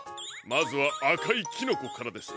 まずはあかいキノコからです。